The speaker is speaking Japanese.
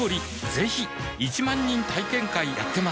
ぜひ１万人体験会やってます